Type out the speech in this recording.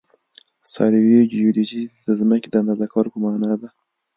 سروي جیودیزي د ځمکې د اندازه کولو په مانا ده